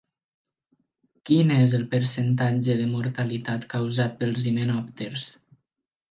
Quin és el percentatge de mortalitat causat pels himenòpters?